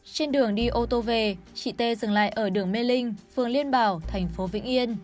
trên đường đi ô tô về chị tê dừng lại ở đường mê linh phường liên bảo thành phố vĩnh yên